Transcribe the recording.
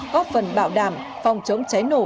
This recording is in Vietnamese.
có phần bảo đảm phòng chống cháy nổ